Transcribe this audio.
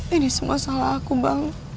ini semua salah aku bang